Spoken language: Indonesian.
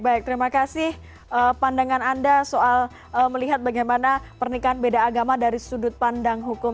baik terima kasih pandangan anda soal melihat bagaimana pernikahan beda agama dari sudut pandang hukum